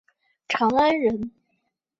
长安人。